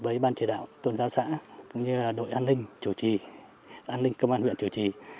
với ban chỉ đạo tôn giáo xã cũng như đội an ninh chủ trì an ninh công an huyện chủ trì